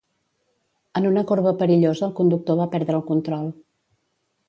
En una corba perillosa el conductor va perdre el control.